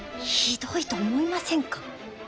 ひどいと思いませんか？